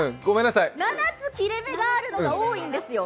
７つ切れ目があるのが多いんですよ。